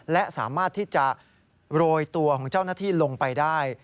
และสามารถที่จะโรยตัวของเจ้าหน้าที่ลงไปได้